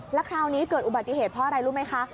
แล้วคราวนี้เกิดอุบัติเหตุเพราะอะไรรู้ไหมคะ